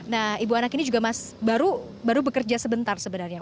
nah ibu anak ini juga baru bekerja sebentar sebenarnya